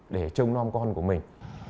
để trông non con của mình